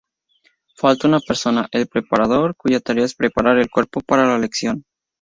Falta una persona: el preparador, cuya tarea es preparar el cuerpo para la lección.